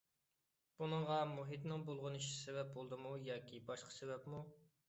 بۇنىڭغا مۇھىتنىڭ بۇلغىنىشى سەۋەب بولدىمۇ ياكى باشقا سەۋەبمۇ؟